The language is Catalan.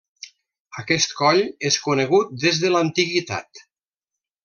Aquest coll és conegut des de l'antiguitat.